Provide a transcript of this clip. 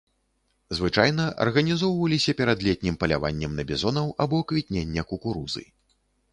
Звычайна арганізоўваліся перад летнім паляваннем на бізонаў або квітнення кукурузы.